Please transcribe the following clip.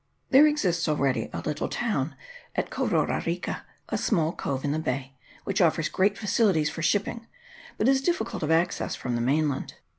There exists already a little town at Kororarika, a small cove in the bay, which offers great facilities for shipping, but is difficult of access from the mainland.